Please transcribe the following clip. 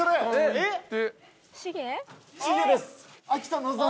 えっ！？